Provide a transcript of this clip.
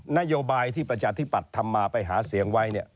นโยบายที่ประชาธิปัตย์ทำมาไปหาเสียงไว้